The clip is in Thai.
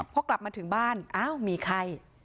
พอกลับมาถึงบ้านอ้าวมีไข้